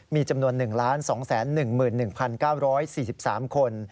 มีจำนวน๑๒๑๑๙๔๓คน